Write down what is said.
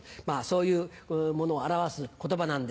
そういうものを表す言葉なんですが。